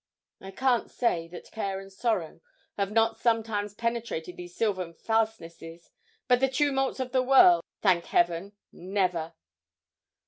I can't say that care and sorrow have not sometimes penetrated these sylvan fastnesses; but the tumults of the world, thank Heaven! never.'